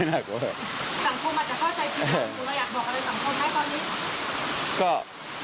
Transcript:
เพราะคนสามารถจะเข้าใจไม่อยากบอกอะไรสังคมเลย